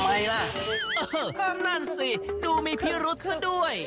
อะไรล่ะเออนั่นสิดูมีพิรุษซะด้วย